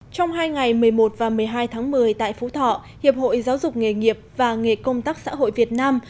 trong hai ngày một mươi một và một mươi hai tháng một mươi tại phú thọ hiệp hội giáo dục nghề nghiệp và nghề công tác xã hội việt nam